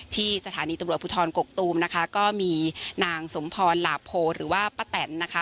ที่สถานีตำรวจภูทรกกตูมนะคะก็มีนางสมพรหลาโพหรือว่าป้าแตนนะคะ